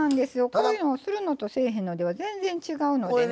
こういうのをするのとせえへんのでは全然違うのでね。